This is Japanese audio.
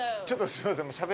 ちょっとすいません。